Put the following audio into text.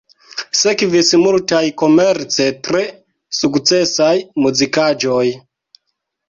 Sekvis multaj komerce tre sukcesaj muzikaĵoj.